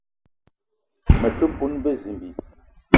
Me te poun bezimbi